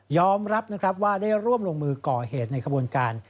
อมรับนะครับว่าได้ร่วมลงมือก่อเหตุในขบวนการ